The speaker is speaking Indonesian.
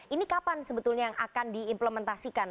ini kapan sebetulnya yang akan diimplementasikan